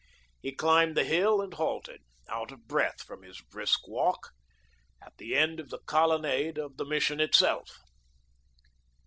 He climbed the hill and halted, out of breath from his brisk wall, at the end of the colonnade of the Mission itself.